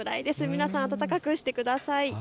皆さんあたたかくしてください。